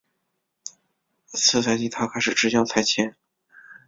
次赛季他开始执教莱切。